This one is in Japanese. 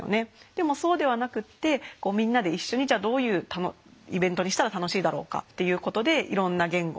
でもそうではなくってみんなで一緒にじゃあどういうイベントにしたら楽しいだろうかっていうことでいろんな言語で落語を。